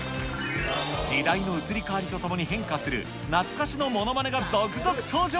時代の移り変わりとともに変化する懐かしのものまねが続々登場。